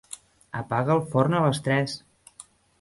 Apaga el forn a les tres.